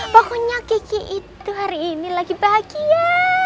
pokoknya kiki itu hari ini lagi bahagia